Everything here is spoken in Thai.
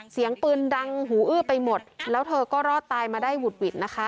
เสียงปืนดังหูอื้อไปหมดแล้วเธอก็รอดตายมาได้หุดหวิดนะคะ